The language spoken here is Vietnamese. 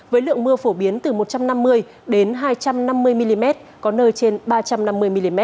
với lượng mưa phổ biến từ một trăm năm mươi đến hai trăm năm mươi mm có nơi trên ba trăm năm mươi mm